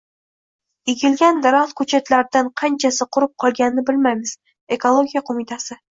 “Ekilgan daraxt ko‘chatlaridan qanchasi qurib qolganini bilmaymiz” - Ekologiya qo‘mitasi